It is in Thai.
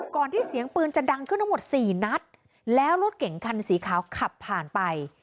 ที่เสียงปืนจะดังขึ้นทั้งหมดสี่นัดแล้วรถเก่งคันสีขาวขับผ่านไป